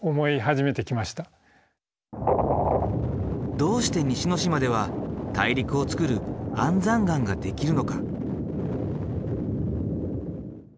どうして西之島では大陸をつくる安山岩ができるのか？